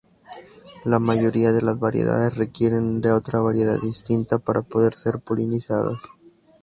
La mayoría de las variedades requieren de otra variedad distinta para poder ser polinizadas.